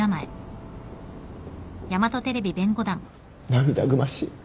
涙ぐましい。